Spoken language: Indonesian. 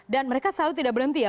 dan mereka selalu tidak berhenti ya